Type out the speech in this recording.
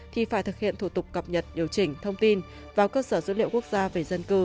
thì phải thực hiện thủ tục cập nhật điều chỉnh thông tin vào cơ sở dữ liệu quốc gia về dân cư